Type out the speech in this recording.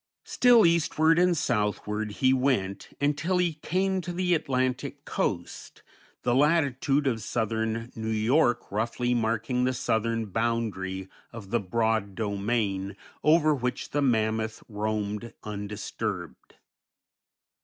Still eastward and southward he went, until he came to the Atlantic coast, the latitude of southern New York roughly marking the southern boundary of the broad domain over which the mammoth roamed undisturbed.